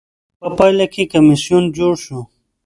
په پایله کې کمېسیون جوړ شو.